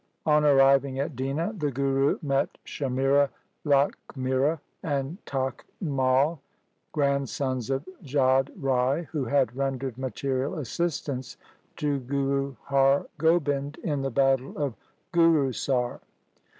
On arriving at Dina, the Guru met Shamira, Lakhmira, and Takht Mai, grandsons of Jodh Rai, who had rendered material assistance to Guru Har Gobind in the battle of Gurusar.